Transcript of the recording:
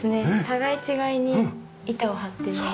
互い違いに板を張ってるもので。